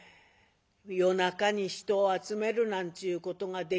「夜中に人を集めるなんちゅうことができるかいや？」。